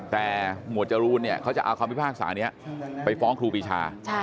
แต่หมวดจรูนเนี่ยเขาจะเอาคำพิพากษานี้ไปฟ้องครูปีชา